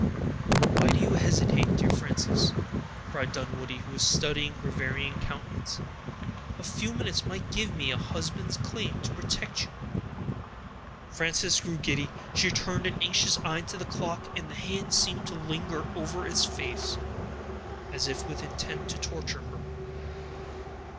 "Why do you hesitate, dear Frances?" cried Dunwoodie, who was studying her varying countenance. "A few minutes might give me a husband's claim to protect you." Frances grew giddy. She turned an anxious eye to the clock, and the hand seemed to linger over its face, as if with intent to torture her.